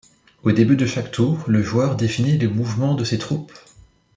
Au début de chaque tour, le joueur définit les mouvements de ses troupes.